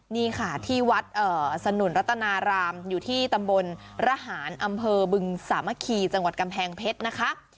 นี่ค่ะที่วัดสนุนรัตนารามอยู่ที่ตำบลระหารอำเภอบึงสามัคคีจังหวัดกำแพงเพชรนะคะ